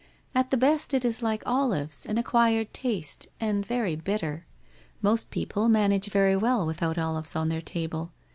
'At the best it is like olives, an acquired taste, and very bitter. Most people manage very wt II without olives at their table.